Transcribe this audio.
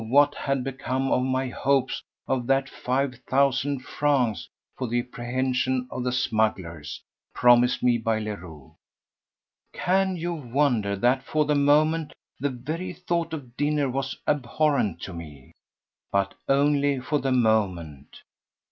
what had become of my hopes of that five thousand francs for the apprehension of the smugglers, promised me by Leroux? Can you wonder that for the moment the very thought of dinner was abhorrent to me? But only for the moment.